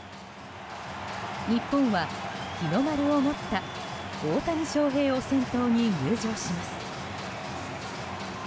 日本は日の丸を持った大谷翔平を先頭に入場します。